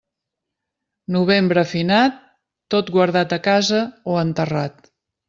Novembre finat, tot guardat a casa o enterrat.